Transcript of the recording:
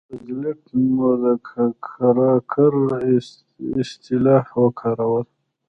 روزولټ د موکراکر اصطلاح وکاروله.